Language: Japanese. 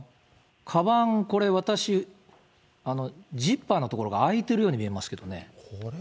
かばんこれ、私、ジッパーのところが開いてるように見えますけどね。